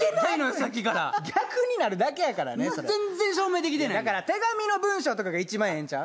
さっきから逆になるだけやからねそれ全然証明できてないよだから手紙の文章とかが一番ええんちゃう？